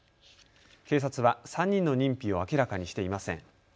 警察は３人の認否を明らかにしていません。